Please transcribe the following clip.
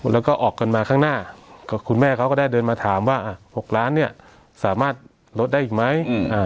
แล้วก็ออกกันมาข้างหน้าคุณแม่เขาก็ได้เดินมาถามว่า๖ล้านเนี่ยสามารถลดได้อีกไหม